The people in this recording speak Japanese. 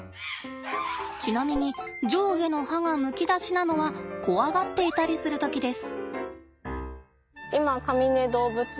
ちなみに上下の歯がむき出しなのは怖がっていたりする時です。